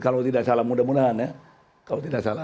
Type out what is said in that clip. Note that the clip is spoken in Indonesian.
kalau tidak salah mudah mudahan